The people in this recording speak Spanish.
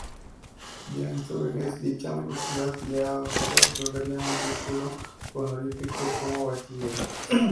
Ya en su vejez, dicha universidad le otorgaría un título honorífico como "bachiller".